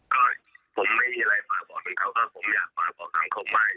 ก็ผมไม่มีอะไรฝากบอกถึงเขาครับผมอยากฝากบอกทางเขามาเนี่ย